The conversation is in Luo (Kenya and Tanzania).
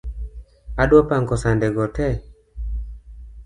Adwa pango sande go tee .